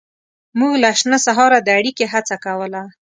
موږ له شنه سهاره د اړیکې هڅه کوله.